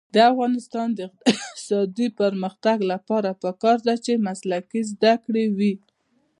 د افغانستان د اقتصادي پرمختګ لپاره پکار ده چې مسلکي زده کړې وي.